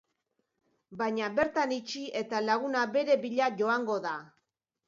Baina bertan itxi eta laguna bere bila joango da.